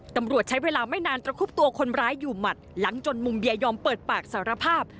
ตำรวจใช้เวลาไม่นานตระคุบตัวคนร้ายอยู่หมัดหลังจนมุมเดียยอมเปิดปากสารภาพ